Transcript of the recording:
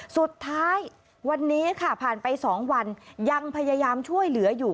สุดท้ายวันนี้ค่ะผ่านไป๒วันยังพยายามช่วยเหลืออยู่